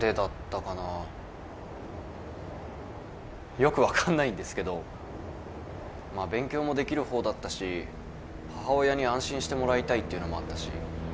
よく分かんないんですけどまあ勉強もできる方だったし母親に安心してもらいたいっていうのもあったし。